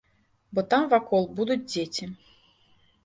Бо там вакол будуць дзеці.